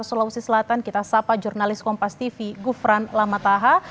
sulawesi selatan kita sapa jurnalis kompas tv gufran lamataha